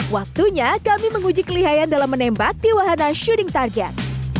waktunya kami menguji kelihayan dalam menembak di wahana shooding target